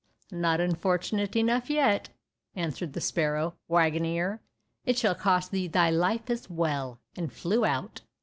"Not unfortunate enough yet!" answered the sparrow; "waggoner, it shall cost thee thy life as well," and flew out.